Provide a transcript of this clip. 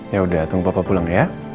yaudah tunggu papa pulang ya